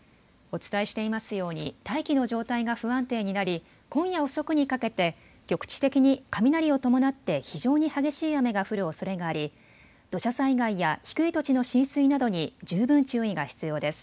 お伝えしていますように大気の状態が不安定になり今夜遅くにかけて局地的に雷を伴って非常に激しい雨が降るおそれがあり土砂災害や低い土地の浸水などに十分注意が必要です。